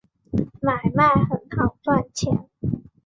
买卖很好赚钱